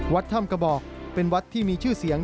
วัดถ้ำกระบอกเป็นวัดที่มีชื่อเสียง